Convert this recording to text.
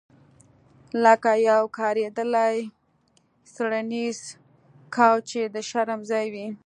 لکه یو کاریدلی څیړنیز کوچ چې د شرم ځای وي